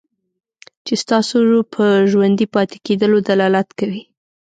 چې ستاسو په ژوندي پاتې کېدلو دلالت کوي.